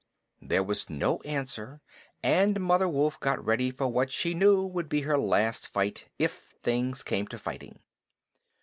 There was no answer and Mother Wolf got ready for what she knew would be her last fight, if things came to fighting.